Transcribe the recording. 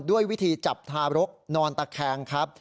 ด้วยวิธีจับทารกนอนตะแคงครับ